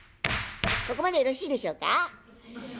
ここまでよろしいでしょうか？